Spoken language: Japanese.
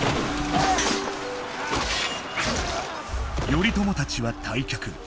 頼朝たちは退却。